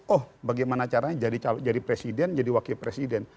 oh bagaimana caranya jadi presiden jadi wakil presiden